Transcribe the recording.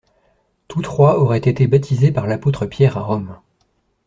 Tous trois auraient été baptisés par l'apôtre Pierre à Rome.